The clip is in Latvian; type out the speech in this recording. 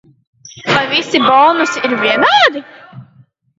Vai visi bonusi ir vienādi?